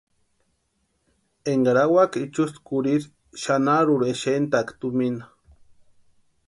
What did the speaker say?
Énkari awaka ichusta kurhiri xanharuri exentʼaaka tumina.